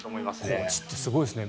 コーチってすごいですね。